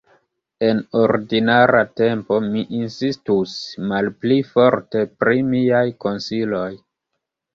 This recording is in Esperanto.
En ordinara tempo mi insistus malpli forte pri miaj konsiloj!